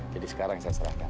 jadi sekarang saya serahkan